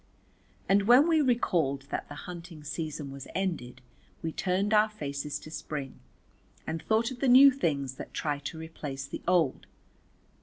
And when we recalled that the hunting season was ended we turned our faces to Spring and thought of the new things that try to replace the old.